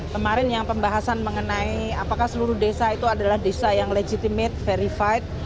kemarin yang pembahasan mengenai apakah seluruh desa itu adalah desa yang legitimate verified